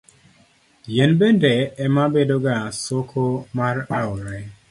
Yien bende ema bedoga soko mar aore.